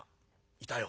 いたよ。